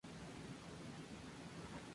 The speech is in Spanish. Existen dos versiones de la aeronave planeadas.